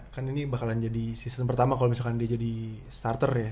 kan ini bakalan jadi season pertama kalau misalkan dia jadi starter ya